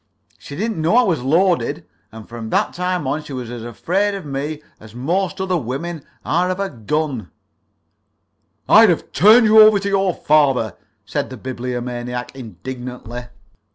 She didn't know I was loaded, and from that time on she was as afraid of me as most other women are of a gun." "I'd have turned you over to your father," said the Bibliomaniac, indignantly.